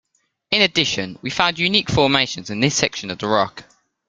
In addition, we found unique formations in this section of the rock.